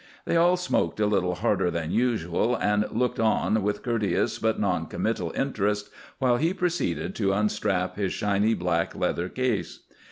They all smoked a little harder than usual, and looked on with courteous but noncommittal interest while he proceeded to unstrap his shiny black leather case.